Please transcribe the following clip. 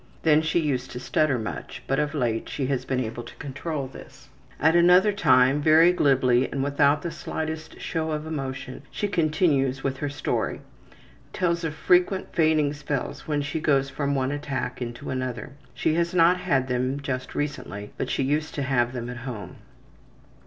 Then she used to stutter much, but of late she has been able to control this. At another time, very glibly and without the slightest show of emotion, she continues with her story. Tells of frequent fainting spells when she goes from one attack into another. She has not had them just recently, but she used to have them at home.